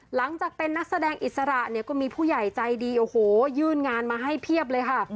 หลังจากเป็นนักแสดงอิสระเนี่ยก็มีผู้ใหญ่ใจดีโอ้โหยื่นงานมาให้เพียบเลยค่ะ